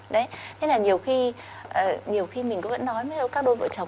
nên là nhiều khi mình cũng nói với các đôi vợ chồng